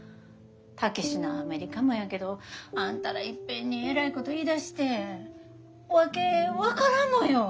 武志のアメリカもやけどあんたらいっぺんにえらいこと言いだして訳分からんのよ。